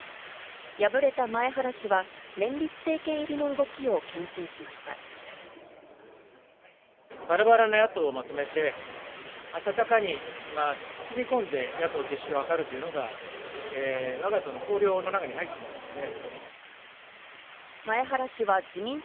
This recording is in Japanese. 敗れた前原氏は、連立政権入りのばらばらの野党をまとめて、温かに包み込んで、野党結集を図るというのが、わが党の綱領の中に入ってますので。